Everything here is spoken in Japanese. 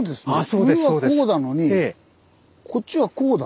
上はこうなのにこっちはこうだ。